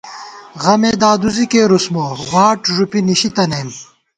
غمےدادُوزی کېرُس مو ، واٹ ݫُپی نِشِی تَنَئیم